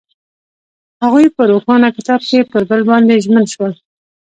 هغوی په روښانه کتاب کې پر بل باندې ژمن شول.